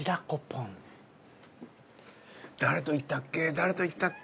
誰と行ったっけ